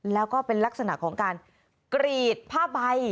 แล้วก็เป็นลักษณะของการกรีดผ้าใบ